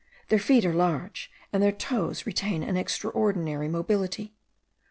Their feet are large, and their toes retain an extraordinary mobility.